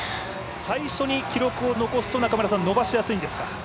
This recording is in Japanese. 最初に記録を残すと、伸ばしやすいんですか。